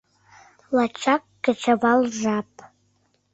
Лачак кечывал жап.